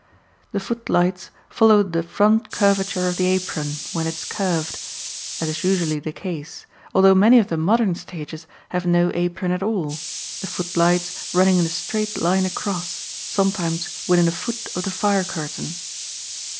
The footlights follow the front curvature of the apron, when it is curved, as is usually the case, although many of the modern stages have no apron at all, the footlights running in a straight line across, sometimes within a foot of the fire curtain.